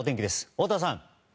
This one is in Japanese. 太田さん。